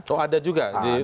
oh ada juga di facebook